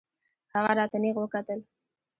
هغه راته نېغ وکتل.